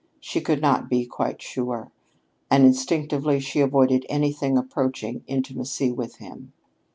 She could not be quite sure, and instinctively she avoided anything approaching intimacy with him.